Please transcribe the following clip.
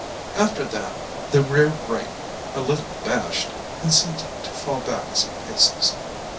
After that the rear rank, a little abashed, consented to fall back some paces.